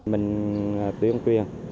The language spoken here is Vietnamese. mình tuyên truyền